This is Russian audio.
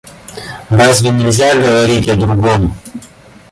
Разве нельзя говорить о другом.